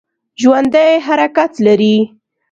ژوندي حرکت لري